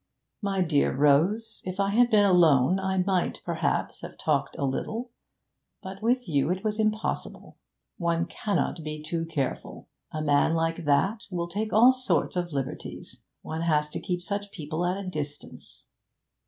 'My dear Rose, if I had been alone, I might perhaps have talked a little, but with you it was impossible. One cannot be too careful. A man like that will take all sorts of liberties. One has to keep such people at a distance.